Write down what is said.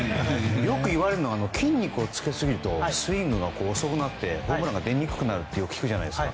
よくいわれるのが筋肉をつけすぎるとスイングが遅くなってホームランが出にくくなるって聞くじゃないですか。